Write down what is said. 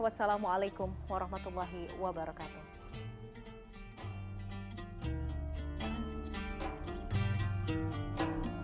wassalamualaikum warahmatullahi wabarakatuh